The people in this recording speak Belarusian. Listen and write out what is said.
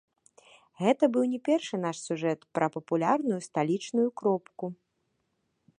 Гэта быў не першы наш сюжэт пра папулярную сталічную кропку.